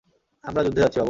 আমরা যুদ্ধে যাচ্ছি, বাবু।